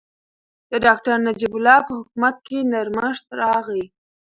د ډاکټر نجیب الله په حکومت کې نرمښت راغی.